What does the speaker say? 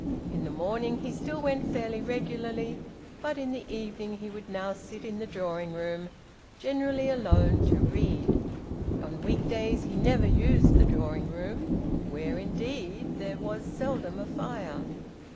In the morning he still went fairly regularly, but in the evening he would now sit in the drawing room, generally alone, to read. On weekdays he never used the drawing room, where indeed there was seldom a fire.